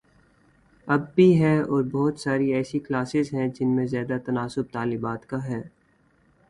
اب بھی ہے اور بہت ساری ایسی کلاسز ہیں جن میں زیادہ تناسب طالبات کا ہے۔